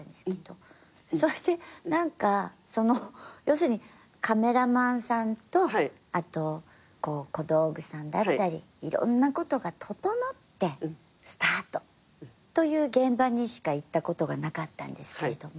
何かその要するにカメラマンさんとあと小道具さんだったりいろんなことが整ってスタートという現場にしか行ったことがなかったんですけど。